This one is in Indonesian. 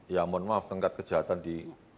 ya mohon maaf tingkat kejahatan di